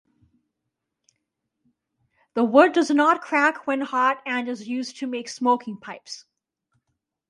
The wood does not crack when hot and is used to make smoking pipes.